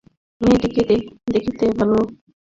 মেয়েটিকে দেখিতে ভালো।